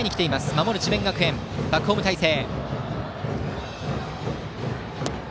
守る智弁学園バックホーム態勢。